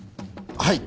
はい。